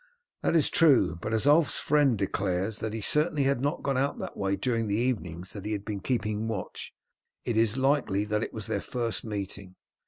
"That is true. But as Ulf's friend declares that he certainly had not gone out that way during the evenings that he had been keeping watch, it is likely that it was their first meeting."